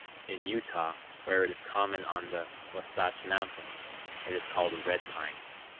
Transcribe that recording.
In Utah, where it is common on the Wahsatch Mountains, it is called "red pine."